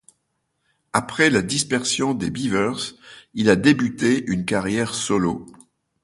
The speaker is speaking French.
Après la dispersion des Beavers, il a débuté une carrière solo.